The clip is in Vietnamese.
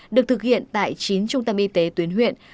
được thực hiện tại chín trung tâm y tế tuyến huyện